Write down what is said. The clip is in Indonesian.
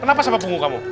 kenapa sama punggung kamu